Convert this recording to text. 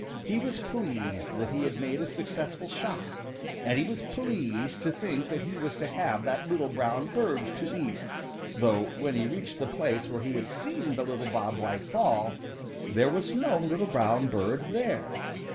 He was pleased that he had made a successful shot, and he was pleased to think that he was to have that little brown bird to eat, though when he reached the place where he had seen the little Bob White fall, there was no little brown bird there.